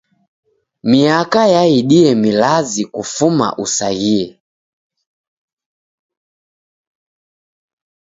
Miaka yaidie milazi kufuma usaghie.